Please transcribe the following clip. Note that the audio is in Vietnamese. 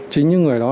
chính những người đó